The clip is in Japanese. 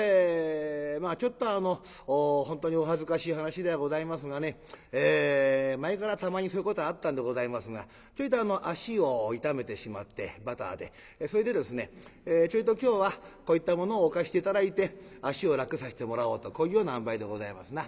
ちょっと本当にお恥ずかしい話ではございますがね前からたまにそういうことはあったんでございますがちょいと足を痛めてしまってバターでそれでちょいと今日はこういったものを置かして頂いて足を楽させてもらおうとこういうようなあんばいでございますな。